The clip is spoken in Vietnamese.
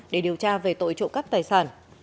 để điều tra về tội trộm cấp tài sản